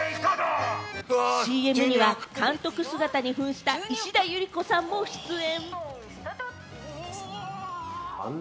ＣＭには、監督姿にふんした石田ゆり子さんも出演。